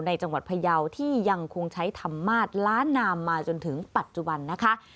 จังหวัดพยาวที่ยังคงใช้ธรรมาสล้านนามมาจนถึงปัจจุบันนะคะ